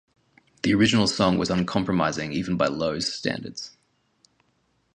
The original song was uncompromising even by "Low"'s standards.